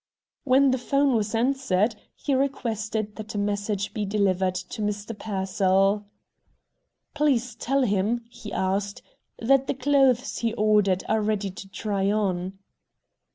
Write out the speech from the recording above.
When the 'phone was answered, he requested that a message be delivered to Mr. Pearsall. "Please tell him," he asked, "that the clothes he ordered are ready to try on."